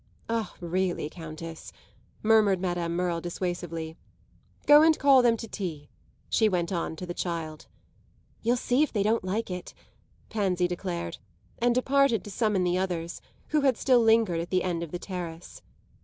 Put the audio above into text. "Ah really, Countess!" murmured Madame Merle dissuasively. "Go and call them to tea," she went on to the child. "You'll see if they don't like it!" Pansy declared; and departed to summon the others, who had still lingered at the end of the terrace.